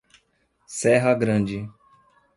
Serra Grande